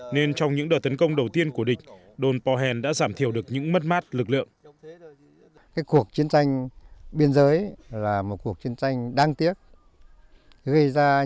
nên trong những đợt tấn công đầu tiên của địch đồn pò hèn đã giảm thiểu được những mất mát lực lượng